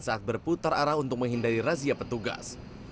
saat berputar arah untuk menghindari razia petugas